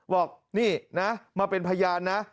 บอกนี่นะมาเป็นพยานนะ